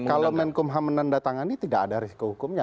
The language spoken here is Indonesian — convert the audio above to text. kalau menkumham menandatangani tidak ada risiko hukumnya